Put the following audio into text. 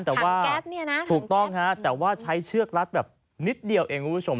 ถังแก๊สเนี้ยนะถังแก๊สถูกต้องฮะแต่ว่าใช้เชือกรัดแบบนิดเดียวเองคุณผู้ชม